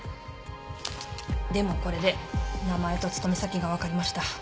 でもこれで名前と勤め先が分かりました。